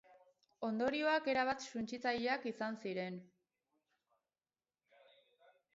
Ondorioak erabat suntsitzaileak izan ziren.